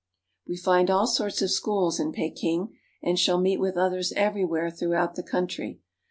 We find all sorts of schools in Peking, and shall meet with others everywhere throughout the country.